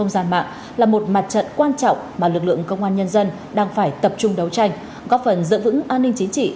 và lực lượng công an nhân dân đang phải tập trung đấu tranh góp phần dựa vững an ninh chính trị